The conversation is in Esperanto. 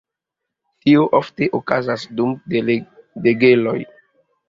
Tio ofte okazas dum degelo.